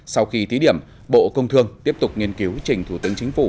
sau khi thí điểm bộ công thương tiếp tục nghiên cứu trình thủ tướng chính phủ